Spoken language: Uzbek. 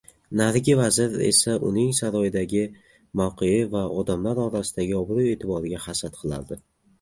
Narigi vazir esa uning saroydagi mavqei va odamlar orasidagi obroʻ-eʼtiboriga hasad qilardi.